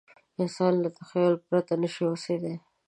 انسان له تخیل پرته نه شي اوسېدای.